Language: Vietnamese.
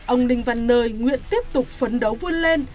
ông đinh văn nơi nguyện tiếp tục phấn đấu vươn lên